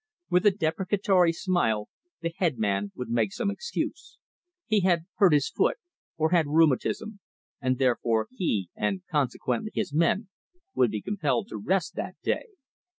With a deprecatory smile the head man would make some excuse. He had hurt his foot, or had rheumatism, and therefore he, and consequently his men, would be compelled to rest that day.